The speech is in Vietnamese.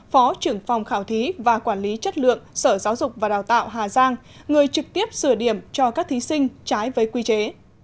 phó trưởng phòng khảo thí và quản lý chất lượng sở giáo dục và đào tạo hà giang người trực tiếp sửa điểm cho các thí sinh trái với quy chế